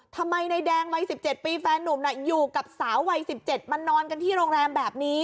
ทำไมนายแดงวัย๑๗ปีแฟนนุ่มน่ะอยู่กับสาววัย๑๗มานอนกันที่โรงแรมแบบนี้